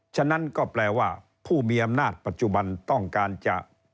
ฉะนั้นก็แปลว่าผู้มีอำนาจปัจจุบันต้องการจะ